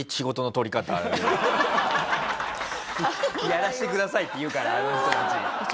やらせてくださいって言うからあの人たち。